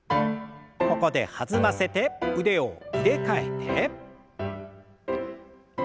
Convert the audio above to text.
ここで弾ませて腕を入れ替えて。